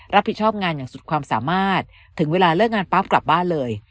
รับผิดชอบงานอย่างสุดความสามารถถึงเวลาเลิกงานปั๊บกลับบ้านเลย